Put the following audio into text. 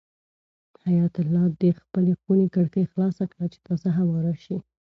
حیات الله د خپلې خونې کړکۍ خلاصه کړه چې تازه هوا راشي.